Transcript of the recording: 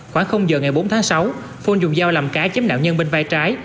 khoảng giờ ngày bốn tháng sáu phôn dùng dao làm cá chém nạn nhân bên vai trái